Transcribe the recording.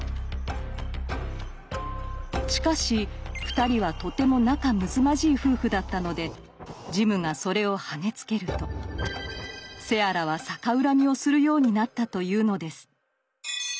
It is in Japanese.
しかし２人はとても仲むつまじい夫婦だったのでジムがそれをはねつけるとセアラは逆恨みをするようになったというのです。